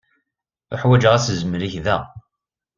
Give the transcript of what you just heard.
Uḥwaǧeɣ asezmel-ik da.